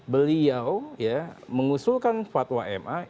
beliau ya mengusulkan fatwa kma